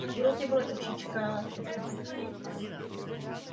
Počet spojů je v hodinovém taktu s výjimkou dopoledních hodin.